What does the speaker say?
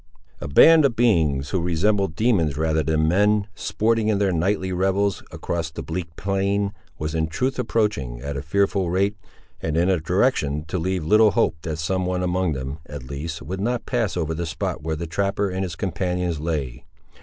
A band of beings, who resembled demons rather than men, sporting in their nightly revels across the bleak plain, was in truth approaching, at a fearful rate, and in a direction to leave little hope that some one among them, at least, would not pass over the spot where the trapper and his companions lay.